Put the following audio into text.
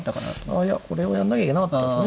あいやこれをやんなきゃいけなかったですね。